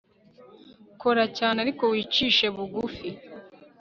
kora cyane ariko wicishe bugufi